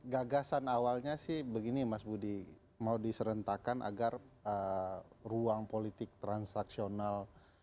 gagasan awalnya sih begini mas budi mau diserentakkan agar ruang politik transaksional